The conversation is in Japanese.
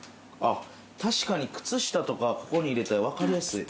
確かに、靴下とかここに入れたら、わかりやすい。